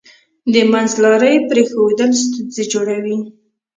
د منځلارۍ پریښودل ستونزې جوړوي.